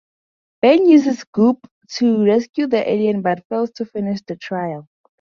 Ben uses Goop to rescue the alien but fails to finish the trial.